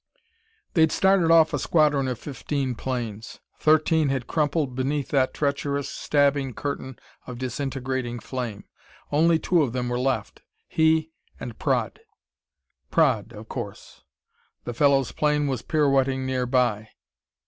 They'd started off a squadron of fifteen planes. Thirteen had crumpled beneath that treacherous, stabbing curtain of disintegrating flame. Only two of them were left he and Praed. Praed, of course! The fellow's plane was pirouetting nearby.